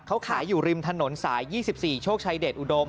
เขาขายอยู่ริมถนนสาย๒๔โชคชัยเดชอุดม